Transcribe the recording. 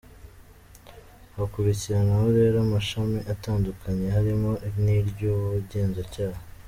Hakurikiraho rero amashami atandukanye harimo n’iry’Ubugenzacyaha.